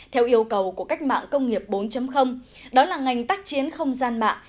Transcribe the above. theo yêu cầu của cách mạng công nghiệp bốn đó là ngành tác chiến không gian mạng